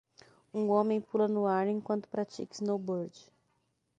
Um homem pula no ar enquanto pratica snowboard.